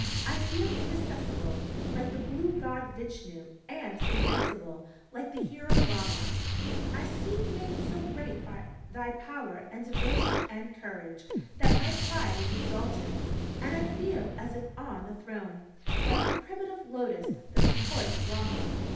I feel inaccessible, like the blue God Vichnu, and invincible, like the hero Rama! I seem made so great by thy power, and devotion, and courage, that my pride is exalted, and I feel as if on a throne like the primitive Lotus that supports Brahmah.